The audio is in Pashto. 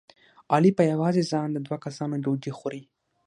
علي په یوازې ځان د دوه کسانو ډوډۍ خوري.